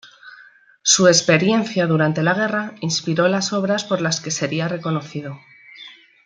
Su experiencia durante la guerra inspiró las obras por las que sería reconocido.